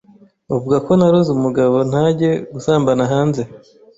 bavuga ko naroze umugabo ntajye gusambana hanze